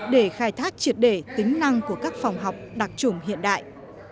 để khai thác triệt để tính năng của các phòng học đặc trùng hiện đại